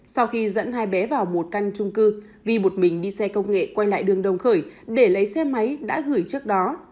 sau khi dẫn hai bé vào một căn trung cư vi một mình đi xe công nghệ quay lại đường đồng khởi để lấy xe máy đã gửi trước đó